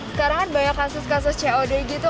sekarang kan banyak kasus kasus cod gitu